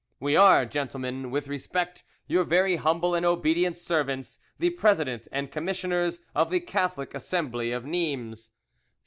"We are, gentlemen, with respect, your very humble and obedient servants, the President and Commissioners of the Catholic Assembly of Nimes.